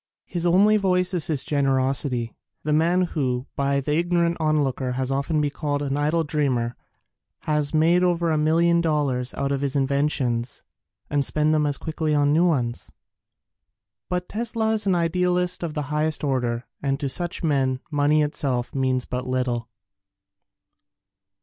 His only vice is his generosity. The man who, by the ignorant onlooker has often been called an idle dreamer, has made over a million dollars out of his inventions — and spent them as quickly on new ones. But Tesla is an idealist of the highest order and to such men money itself means but little.